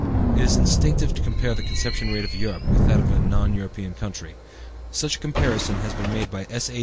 It is instructive to compare the conception rate of Europe with that of a non European country. Such a comparison has been made by S.A.